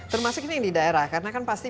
termasuk ini yang di daerah karena kan pasti